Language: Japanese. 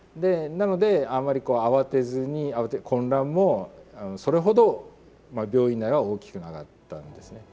なのであんまりこう慌てずに混乱もそれほど病院内は大きくなかったんですね。